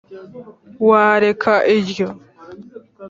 wareka iryo.